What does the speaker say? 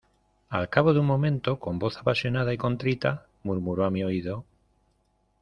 al cabo de un momento, con voz apasionada y contrita , murmuró a mi oído: